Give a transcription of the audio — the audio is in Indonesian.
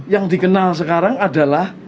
yang dikenal sekarang adalah